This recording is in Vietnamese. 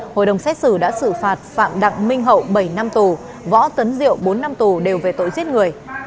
hội đồng xét xử đã xử phạt phạm đặng minh hậu bảy năm tù võ tấn diệu bốn năm tù đều về tội giết người